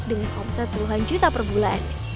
dengan omset puluhan juta per bulan